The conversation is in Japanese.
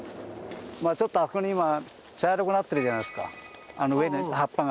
まあちょっとあそこに今茶色くなってるじゃないですかあの上の葉っぱが。